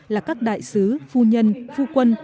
là các đại sứ phu nhân phu quân